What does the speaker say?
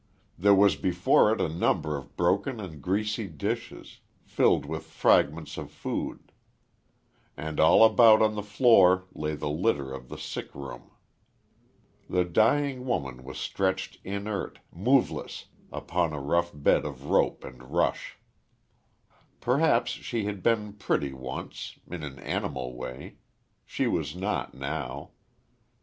There was before it a number of broken and greasy dishes, filled with fragments of food. And all about on the floor lay the litter of the sick room. The dying woman was stretched inert, moveless, upon a rough bed of rope and rush. Perhaps she had been pretty once, in an animal way. She was not now.